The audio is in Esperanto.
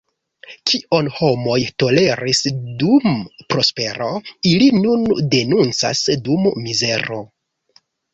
Kion homoj toleris dum prospero, ili nun denuncas dum mizero.